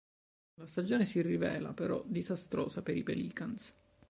La stagione si rivela però disastrosa per i Pelicans.